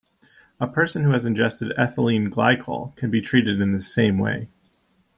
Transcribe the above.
A person who has ingested ethylene glycol can be treated in the same way.